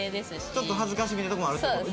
ちょっと恥ずかしげなとこもあるって事？